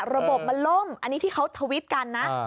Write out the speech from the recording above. ระบบมันล่มอันนี้ที่เขาทวิตกันนะ